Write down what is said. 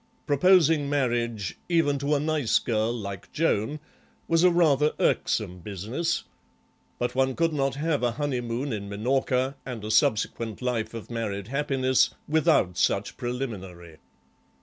Proposing marriage, even to a nice girl like Joan, was a rather irksome business, but one could not have a honeymoon in Minorca and a subsequent life of married happiness without such preliminary.